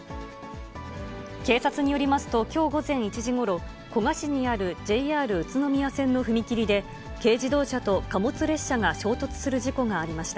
警察によりますと、きょう午前１時ごろ、古河市にあるＪＲ宇都宮線の踏切で、軽自動車と貨物列車が衝突する事故がありました。